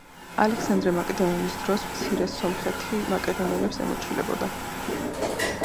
ალექსანდრე მაკედონელის დროს მცირე სომხეთი მაკედონელებს ემორჩილებოდა.